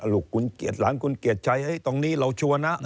ลูกหลานคุณเกียจชายตรงนี้เราชัวร์นะ